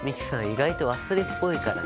意外と忘れっぽいからな。